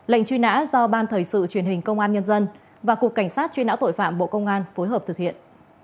lệnh truy nã do ban thời sự truyền hình công an nhân dân và cục cảnh sát truy nã tội phạm bộ công an phối hợp thực hiện